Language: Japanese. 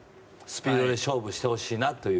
スピードで勝負してほしいなと。